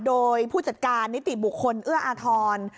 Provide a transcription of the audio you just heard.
โดยผู้จัดการนิติบุคคลเอื้ออาทร